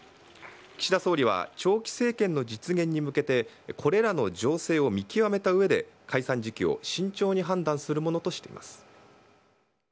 岸田総理は長期政権の実現に向けて、これらの情勢を見極めたうえで、解散時期を慎重な判断するものとしています。